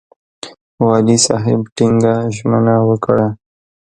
والي صاحب ټینګه ژمنه وکړه.